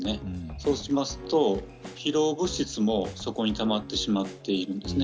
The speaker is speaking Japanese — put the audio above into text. そうしますと疲労物質もそこにたまってしまっているんですね。